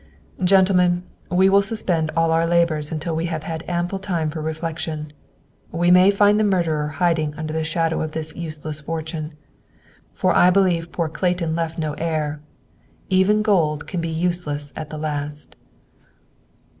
"Gentlemen, we will suspend all our labors until we have had ample time for reflection. We may find the murderer hiding under the shadow of this useless fortune. For I believe poor Clayton left no heir. Even gold can be useless at the last."